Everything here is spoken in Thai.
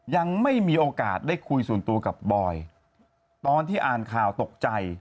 ยังไม่มีโอกาสได้คุยส่วนตัวกับบอยตอนที่อ่านข่าวตกใจ